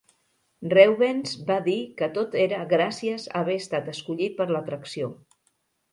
Reubens va dir que tot era gràcies a haver estat escollit per a l'atracció.